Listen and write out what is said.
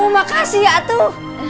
oh makasih ya atuh